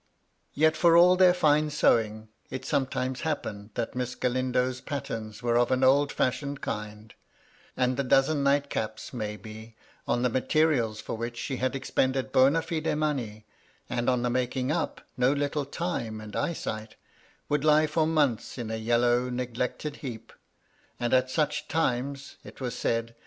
Yet, for all their fine sewing, it sometimes happened that Miss Galindo's patterns were of an old fashioned kind; and the dozen night caps, may be, on the materials for which she had expended bona fide money, and on the making up, no little time and eye sight, would lie for months in a yellow neglected heap ; and at such times, it was said.